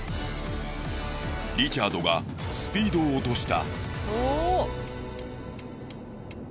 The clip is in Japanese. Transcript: リチャードがスピードを落とした。